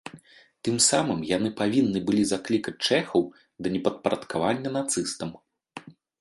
Тым самым яны павінны былі заклікаць чэхаў да непадпарадкавання нацыстам.